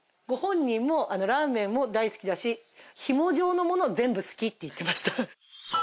ご本人ラーメンも大好きだしひも状のもの全部好きって言ってました。